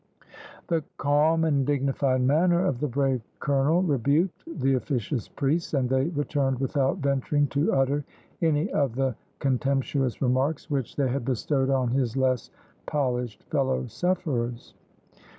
The calm and dignified manner of the brave colonel rebuked the officious priests, and they returned without venturing to utter any of the contemptuous remarks which they had bestowed on his less polished fellow sufferers.